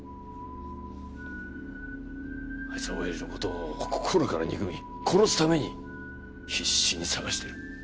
あいつは親父の事を心から憎み殺すために必死に捜してる。